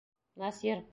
Насир?